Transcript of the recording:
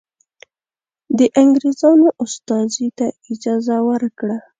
د انګرېزانو استازي ته اجازه ورکړه.